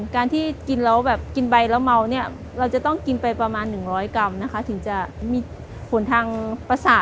การที่กินแล้วแบบกินใบแล้วเมาเนี่ยเราจะต้องกินไปประมาณ๑๐๐กรัมนะคะถึงจะมีผลทางประสาท